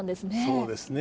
そうですね。